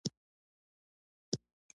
هیله مه ړنګوئ